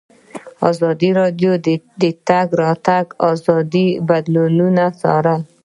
ازادي راډیو د د تګ راتګ ازادي بدلونونه څارلي.